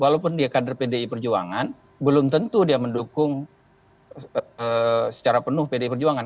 walaupun dia kader pdi perjuangan belum tentu dia mendukung secara penuh pdi perjuangan